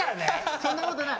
そんなことない。